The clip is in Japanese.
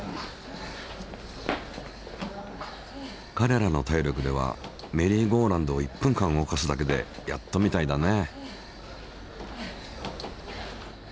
かれらの体力ではメリーゴーラウンドを１分間動かすだけでやっとみたいだね。